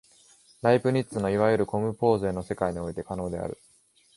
ライプニッツのいわゆるコムポーゼの世界において可能である。